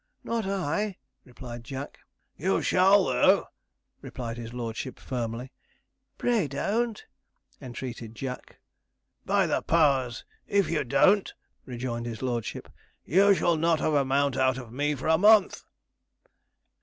'Not I,' replied Jack. 'You shall, though,' replied his lordship firmly. 'Pray don't!' entreated Jack. 'By the powers, if you don't,' rejoined his lordship, 'you shall not have a mount out of me for a month.'